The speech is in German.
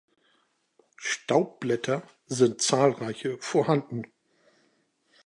Staubblätter sind zahlreiche vorhanden.